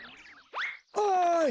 おい！